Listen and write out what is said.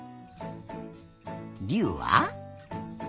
りゅうは？